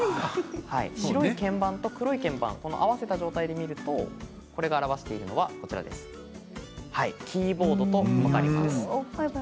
白い鍵盤と、黒い鍵盤合わせた状態で見るとこれが表しているのは「キーボード」となります。